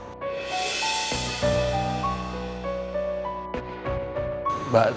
ada apa apa tadi ya